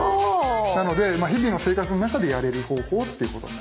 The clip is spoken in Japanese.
なので日々の生活の中でやれる方法っていうことになる。